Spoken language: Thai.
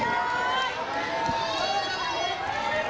สวัสดีครับสวัสดีครับ